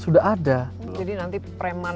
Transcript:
sudah ada jadi nanti preman